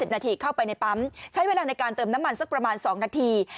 นาทีเข้าไปในปั๊มใช้เวลาในการเติมน้ำมันสักประมาณ๒นาที